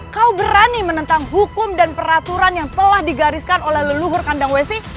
kau berani menentang hukum dan peraturan yang telah digariskan oleh leluhur kandang wesi